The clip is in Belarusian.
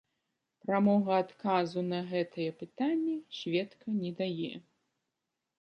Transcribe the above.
Прамога адказу на гэтае пытанне сведка не дае.